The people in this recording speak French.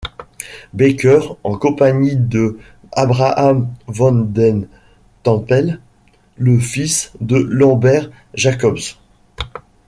Backer, en compagnie de Abraham van den Tempel, le fils de Lambert Jacobsz.